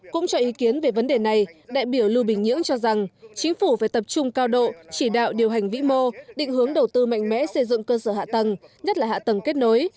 cũng cho ý kiến về vấn đề này đại biểu lưu bình nhưỡng cho rằng chính phủ phải tập trung cao độ chỉ đạo điều hành vĩ mô định hướng đầu tư mạnh mẽ xây dựng cơ sở hạ tầng nhất là hạ tầng kết nối